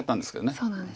そうなんです。